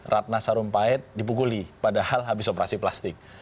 ratna sarumpait dipukuli padahal habis operasi plastik